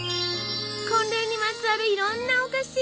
婚礼にまつわるいろんなお菓子！